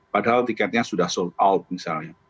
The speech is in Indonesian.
padahal tiketnya sudah sold out misalnya